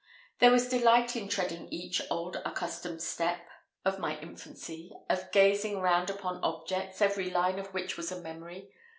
There was delight in treading each old accustomed step of my infancy, of gazing round upon objects, every line of which was a memory.